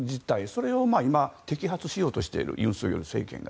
それを今、摘発しようとしている尹錫悦政権が。